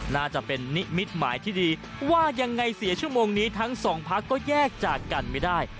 น่าจะเป็นนิมิตหมายที่ดีว่ายังไงเสียชั่วโมงนี้ทั้งสองพักก็แยกจากกันไม่ได้